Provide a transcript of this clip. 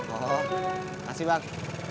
oh kasih bang